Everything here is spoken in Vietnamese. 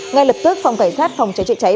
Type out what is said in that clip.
ngay lập tức phòng cảnh sát phòng trái trợ trái